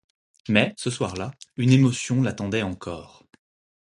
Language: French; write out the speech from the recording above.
Mais, ce soir-là, une émotion l'attendait encore.